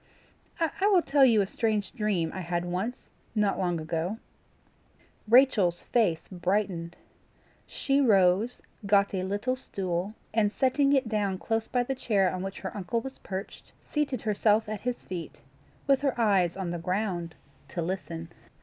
I will tell you a strange dream I had once, not long ago." Rachel's face brightened. She rose, got a little stool, and setting it down close by the chair on which her uncle was perched, seated herself at his feet, with her eyes on the ground, to listen.